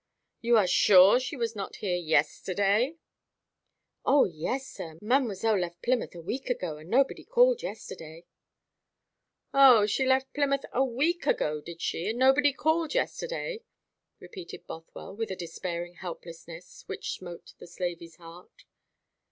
"You are sure she was not here yesterday?" "O yes, sir. Mademoiselle left Plymouth a week ago, and nobody called yesterday." "O, she left Plymouth a week ago, did she, and nobody called yesterday?" repeated Bothwell, with a despairing helplessness which smote the slavey's heart.